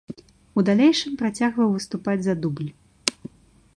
У далейшым працягваў выступаць за дубль.